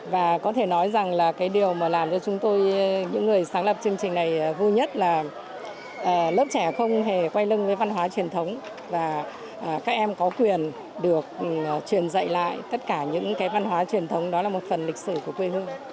và có thể nói rằng là cái điều mà làm cho chúng tôi những người sáng lập chương trình này vui nhất là lớp trẻ không hề quay lưng với văn hóa truyền thống và các em có quyền được truyền dạy lại tất cả những cái văn hóa truyền thống đó là một phần lịch sử của quê hương